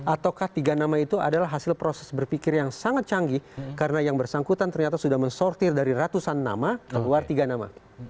ataukah tiga nama itu adalah hasil proses berpikir yang sangat canggih karena yang bersangkutan ternyata sudah mensortir dari ratusan nama keluar tiga nama